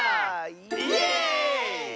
イエーイ！